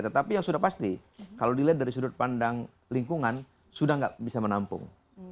tetapi yang sudah pasti kalau dilihat dari sudut pandang lingkungan sudah tidak bisa menampung